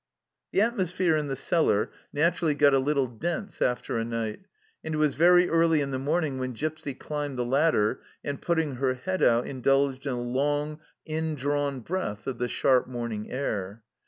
The atmosphere in the cellar naturally got a 132 THE CELLAR HOUSE OF PERVYSE little dense after a night, and it was very early in the morning when Gipsy climbed the ladder, and, putting her head out, indulged in a long in drawn breath of the sharp morning air.